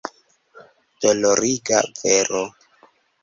Doloriga vero!